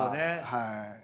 はい。